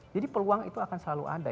jadi peluang itu akan selalu ada